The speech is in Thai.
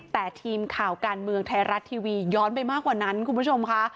แต่ทีมข่าวการเมืองไทยรัฐทีวีย้อนไปมากกว่านั้นคุณผู้ชมค่ะ